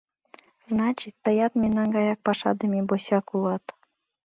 Значит, тыят мемнан гаяк пашадыме босяк улат...».